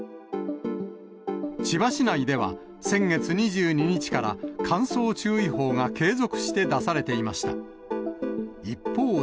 千葉市内では、先月２２日から乾燥注意報が継続して出されていました。